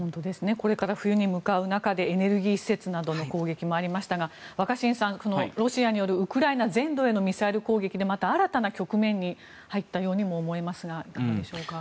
これから冬に向かう中でエネルギー施設などの攻撃もありましたが若新さん、ロシアによるウクライナ全土へのミサイル攻撃でまた新たな局面に入ったようにも思えますがいかがでしょうか。